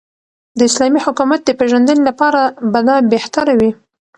داسلامې حكومت دپيژندني لپاره به دابهتره وي